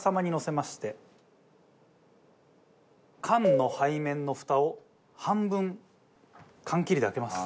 缶の背面のふたを半分缶切りで開けます。